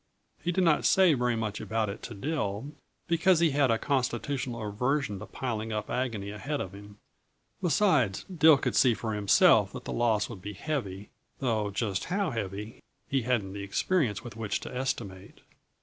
He did not say very much about it to Dill, because he had a constitutional aversion to piling up agony ahead of him; besides, Dill could see for himself that the loss would be heavy, though just how heavy he hadn't the experience with which to estimate.